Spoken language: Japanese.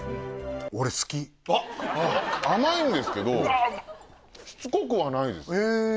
俺好き甘いんですけどしつこくはないです